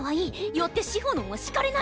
よってしほのんは叱れない。